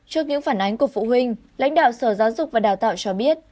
trước những phản ánh của phụ huynh lãnh đạo sở giáo dục và đào tạo cho biết